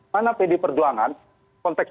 mana pdi perjuangan konteks